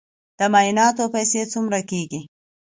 د معایناتو پیسې څومره کیږي؟